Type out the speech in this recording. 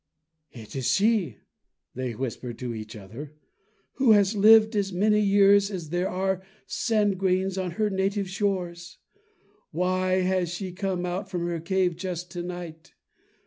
"It is she," they whispered to each other, "who has lived as many years as there are sand grains on her native shores. Why has she come out from her cave just to night?